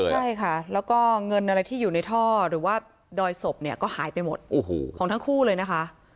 ใช่ค่ะแล้วก็เงินอะไรที่อยู่ในท่อหรือว่าดอยศพเนี่ยก็หายไปหมดของทั้งคู่เลยนะคะ